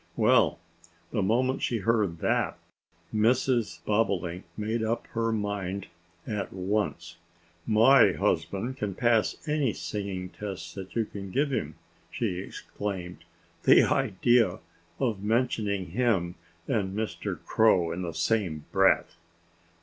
Well, the moment she heard that, Mrs. Bobolink made up her mind at once. "My husband can pass any singing test that you can give him!" she exclaimed. "The idea of mentioning him and Mr. Crow in the same breath!"